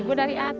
masih dicari emang